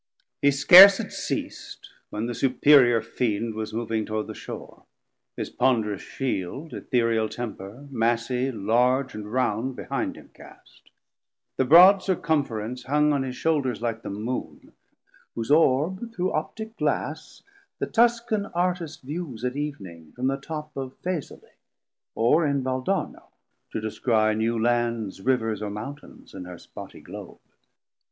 He scarce had ceas't when the superiour Fiend Was moving toward the shore; his ponderous shield Ethereal temper, massy, large and round, Behind him cast; the broad circumference Hung on his shoulders like the Moon, whose Orb Through Optic Glass the Tuscan Artist views At Ev'ning from the top of Fesole, Or in Valdarno, to descry new Lands, 290 Rivers or Mountains in her spotty Globe.